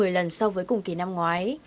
một mươi lần so với cùng kỳ năm ngoái